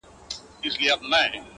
دغه خوار ملنگ څو ځايه تندی داغ کړ ـ